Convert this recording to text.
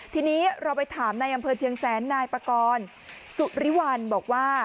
ทีนี้เราไปถามในอำเภอเชียงแสนนายปากรสุริวัลบอกว่า